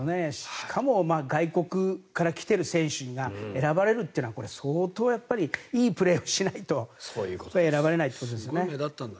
しかも外国から来ている選手が選ばれるというのは相当いいプレーをしないと選ばれないということですよね。